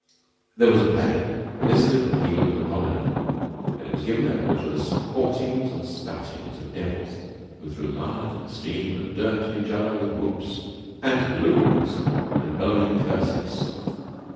There was a plain, blistered, peeled, and abominable, and it was given over to the sportings and spoutings of devils who threw mud, and steam, and dirt at each other with whoops, and halloos, and bellowing curses.